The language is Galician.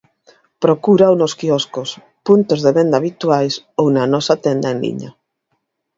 Procúrao nos quioscos, puntos de venda habituais ou na nosa tenda en liña.